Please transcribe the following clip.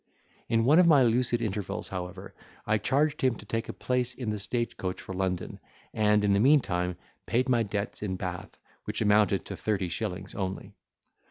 In one of my lucid intervals, however, I charged him to take a place in the stage coach for London; and, in the meantime, paid my debts in Bath, which amounted to thirty shillings only.